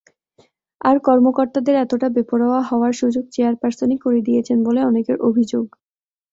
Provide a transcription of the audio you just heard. আর কর্মকর্তাদের এতটা বেপরোয়া হওয়ার সুযোগ চেয়ারপারসনই করে দিয়েছেন বলে অনেকের অভিযোগ।